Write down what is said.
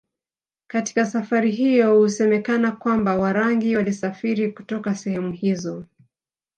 Katika safari hiyo husemekana kwamba Warangi walisafiri kutoka sehemu hizo